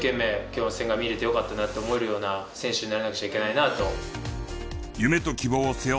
「今日は千賀見れてよかったな」と思えるような選手にならなくちゃいけないなと。